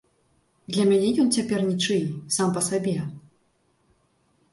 Для мяне ён цяпер нічый, сам па сабе.